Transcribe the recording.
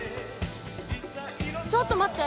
ちょっと待って！